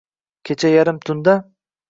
Kecha yarim tunda